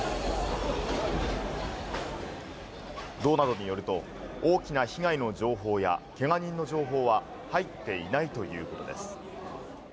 道などによると、大きな被害の情報やけが人の情報は入っていないということです。